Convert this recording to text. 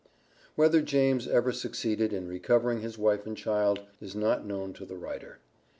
Whether James ever succeeded in recovering his wife and child, is not known to the writer.